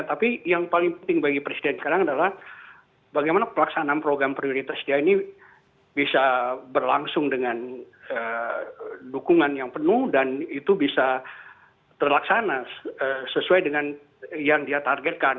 tapi yang paling penting bagi presiden sekarang adalah bagaimana pelaksanaan program prioritas dia ini bisa berlangsung dengan dukungan yang penuh dan itu bisa terlaksana sesuai dengan yang dia targetkan